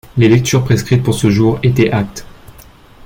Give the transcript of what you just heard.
Les lectures prescrites pour ce jour étaient Act.